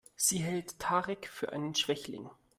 Sie hält Tarek für einen Schwächling.